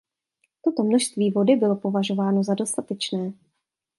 Toto množství vody bylo považováno za dostatečné.